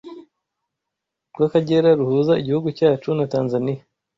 rw’Akagera ruhuza igihugu cyacu na Tanzaniya